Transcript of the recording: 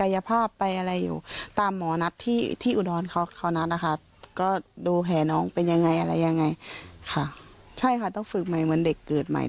ใช่ค่ะต้องฝึกใหม่เหมือนเด็กเกิดใหม่